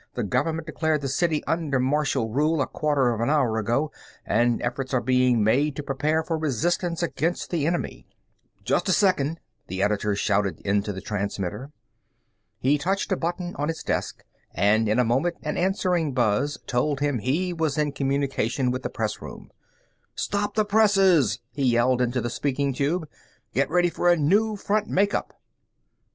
The government declared the city under martial rule a quarter of an hour ago and efforts are being made to prepare for resistance against the enemy." "Just a second," the editor shouted into the transmitter. He touched a button on his desk and in a moment an answering buzz told him he was in communication with the press room. "Stop the presses!" he yelled into the speaking tube. "Get ready for a new front make up!"